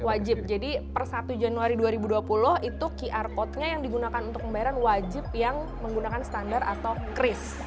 wajib jadi per satu januari dua ribu dua puluh itu qr code nya yang digunakan untuk pembayaran wajib yang menggunakan standar atau kris